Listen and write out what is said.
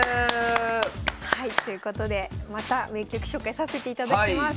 はいということでまた名局紹介させていただきます。